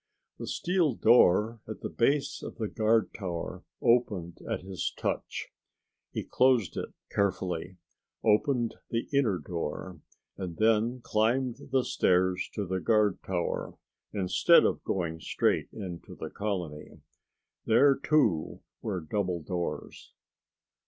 The steel door at the base of the guard tower opened at his touch. He closed it carefully, opened the inner door and then climbed the stairs to the guard tower, instead of going straight into the colony. There, too, were double doors.